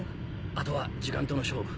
あとは時間との勝負。